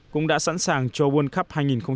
cũng đã sẵn sàng cho world cup hai nghìn một mươi tám